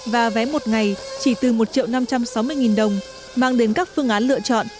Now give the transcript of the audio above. và vé một ngày chỉ từ một triệu năm trăm sáu mươi đồng mang đến các phương án lựa chọn